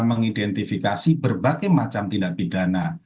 mengidentifikasi berbagai macam tindak pidana